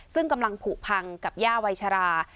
ซึ่งกำลังผูกพังกับย่าวัยชรา